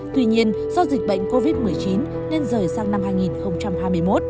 tuy nhiên do dịch bệnh covid một mươi chín nên rời sang năm hai nghìn hai mươi một